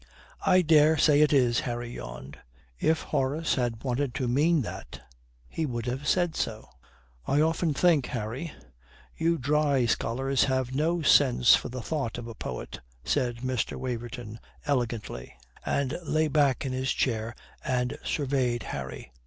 "I dare say it is," Harry yawned. "If Horace had wanted to mean that, he would have said so." "I often think, Harry, you dry scholars have no sense for the thought of a poet," said Mr. Waverton elegantly, and lay back in his chair and surveyed Harry.